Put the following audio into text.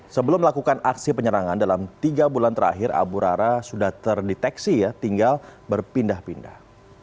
sebelum melakukan aksi penyerangan dalam tiga bulan terakhir abu rara sudah terdeteksi ya tinggal berpindah pindah